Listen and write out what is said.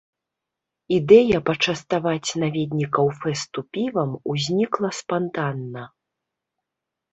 Ідэя пачаставаць наведнікаў фэсту півам узнікла спантанна.